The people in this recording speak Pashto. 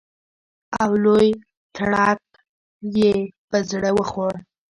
او لوی تړک یې په زړه وخوړ.